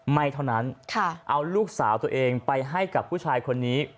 ไม่เท่านั้นเอาลูกสาวตัวเองไปให้กับผู้ชายคนนี้